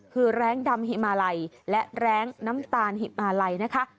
คือแรงดำหิมาลัยและแรงน้ำตาลหิบมาลัยนะคะ